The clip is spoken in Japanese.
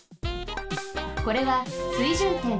これは水準点。